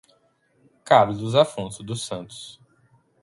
Carlos Afonso dos Santos